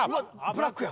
ブラックや！